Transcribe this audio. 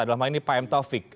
dalam hal ini pak m taufik